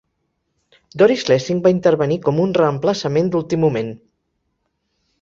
Doris Lessing va intervenir com un reemplaçament d'últim moment.